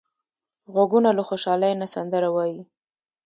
غوږونه له خوشحالۍ نه سندره وايي